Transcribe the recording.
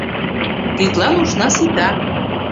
Тидлан ушна сита.